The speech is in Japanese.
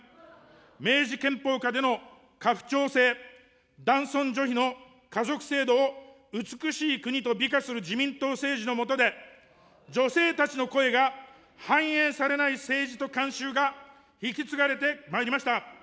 明治憲法下での家父長制、男尊女卑の家族制度を美しい国と美化する自民党政治の下で、女性たちの声が反映されない政治と慣習が引き継がれてまいりました。